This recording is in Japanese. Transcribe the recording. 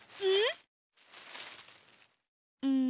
うん？